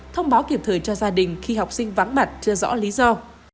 thông báo kịp thời cho gia đình khi học sinh vắng mặt chưa rõ lý do